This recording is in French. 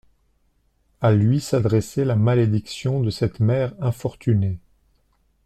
À lui s'adressait la malédiction de cette mère infortunée.